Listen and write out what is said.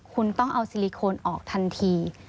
คุณต้องเอาซิลิโคนออกทันที